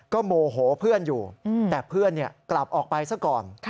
โมโหเพื่อนอยู่แต่เพื่อนกลับออกไปซะก่อน